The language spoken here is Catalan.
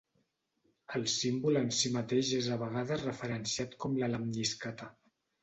El símbol en si mateix és a vegades referenciat com la lemniscata.